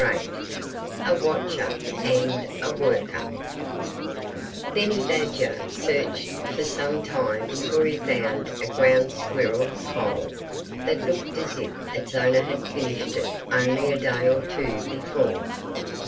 VIII A WATCHER AND A WORKER Benny Badger searched for some time before he found a Ground Squirrel's hole that looked as if its owner had finished it only a day or two before.